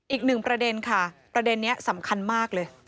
อีกหนึ่งประเด็นค่ะประเด็นนี้สำคัญมากเลย